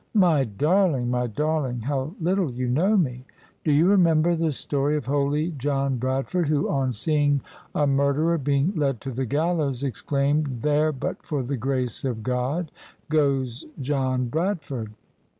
" My darling, my darling, how little you know me I Do you remember the story of holy John Bradford, who, on seeing a murderer being led to the gallows, exclaimed, 'There, but for the grace of God, goes John Bradford